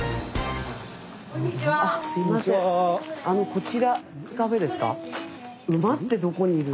こちらカフェですか。